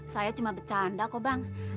saya cuma bercanda kok bang